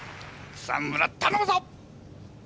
草村頼むぞっ！